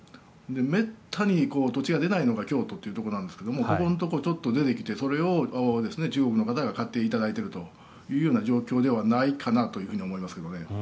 めったに土地が出ないのが京都というところなんですがここのところ、ちょっと出てきてそれを中国の方が買っていただいているという状況ではないかなと思いますけどね。